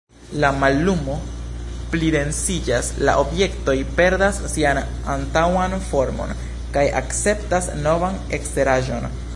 La mallumo plidensiĝas; la objektoj perdas sian antaŭan formon kaj akceptas novan eksteraĵon.